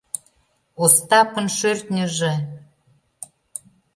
Остапын шӧртньыжӧ!